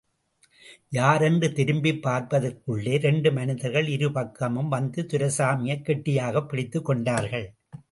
யாரென்று திரும்பி பார்ப்பதற்குள்ளே, இரண்டு மனிதர்கள் இருபக்கமும் வந்து, துரைசாமியைக் கெட்டியாகப் பிடித்துக் கொண்டார்கள்.